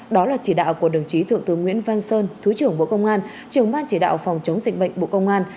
đó là chỉ đạo của đồng chí thượng tướng nguyễn văn sơn thứ trưởng bộ công an trưởng ban chỉ đạo phòng chống dịch bệnh bộ công an